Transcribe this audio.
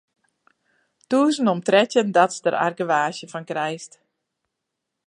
Tûzen om trettjin datst der argewaasje fan krijst.